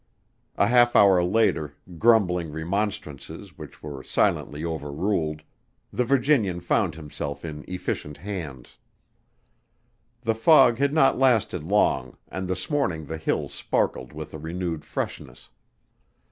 A half hour later, grumbling remonstrances which were silently overruled, the Virginian found himself in efficient hands. The fog had not lasted long and this morning the hills sparkled with a renewed freshness.